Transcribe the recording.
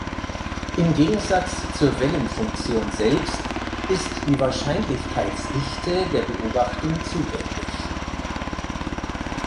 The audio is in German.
Im Gegensatz zur Wellenfunktion selbst ist die Wahrscheinlichkeitsdichte der Beobachtung zugänglich.